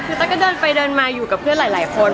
คือตั๊กก็เดินไปเดินมาอยู่กับเพื่อนหลายคน